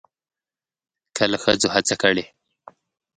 کله ښځو هڅه کړې